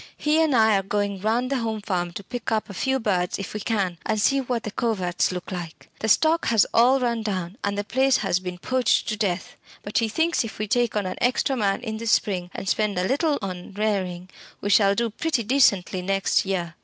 He and I are going round the Home Farm to pick up a few birds if we can, and see what the coverts look like. The stock has all run down, and the place has been poached to death. But he thinks if we take on an extra man in the spring, and spend a little on rearing, we shall do pretty decently next year."